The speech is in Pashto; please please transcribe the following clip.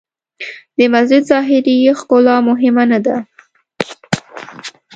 د مسجد ظاهري ښکلا مهمه نه ده.